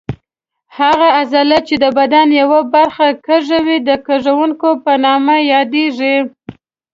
هغه عضله چې د بدن یوه برخه کږوي د کږوونکې په نامه یادېږي.